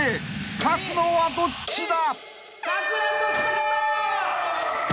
［勝つのはどっちだ！？］